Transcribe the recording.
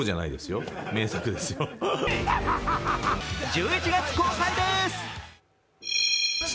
１１月公開です。